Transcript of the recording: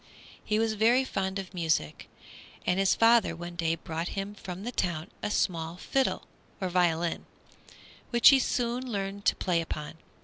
He was very fond of music, and his father one day brought him from the town a small fiddle, or violin, which he soon learned to play upon.